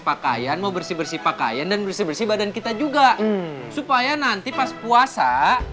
pakaian mau bersih bersih pakaian dan bersih bersih badan kita juga supaya nanti pas puasa